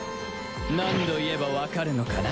何度言えばわかるのかな？